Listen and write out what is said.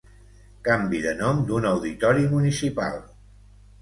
canvi de nom d'un auditori municipal